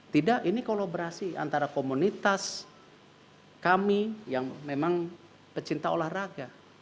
tidak ini kolaborasi antara komunitas kami yang memang pecinta olahraga